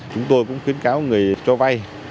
chúng tôi cũng khuyến cáo người cho vay